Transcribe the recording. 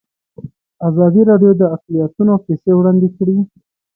ازادي راډیو د اقلیتونه کیسې وړاندې کړي.